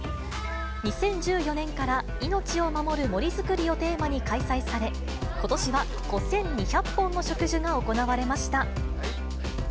２０１４年から、いのちを守る森づくりをテーマに開催され、ことしは５２００本の植樹が行われました。